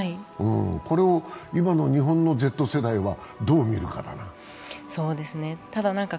これを今の日本のＺ世代はどう見るかだ。